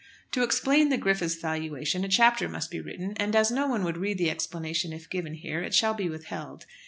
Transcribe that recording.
To explain the "Griffith's valuation" a chapter must be written, and as no one would read the explanation if given here it shall be withheld.